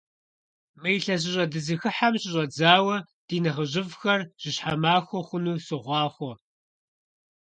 Мы илъэсыщӀэ дызыхыхьэм щыщӀэдзауэ ди нэхъыжьыфӀхэр жьыщхьэ махуэ хъуну сохъуахъуэ!